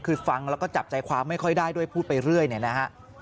คือฟังแล้วก็จับใจความไม่ค่อยได้ด้วยพูดไปเรื่อยเนี่ยนะฮะ